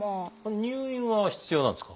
入院は必要なんですか？